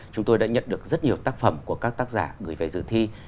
chúng tôi đã nhận được rất nhiều tác phẩm của các tác giả gửi về dự thi